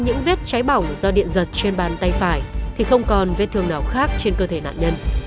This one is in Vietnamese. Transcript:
những vết cháy bỏng do điện giật trên bàn tay phải thì không còn vết thương nào khác trên cơ thể nạn nhân